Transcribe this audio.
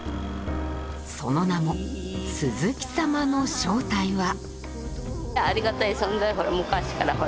その名も「鈴木様」の正体は？